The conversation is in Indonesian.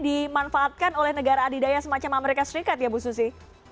dimanfaatkan oleh negara adidaya semacam amerika serikat ya bu susi